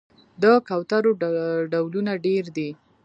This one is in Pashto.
د کوترو ډولونه ډیر دي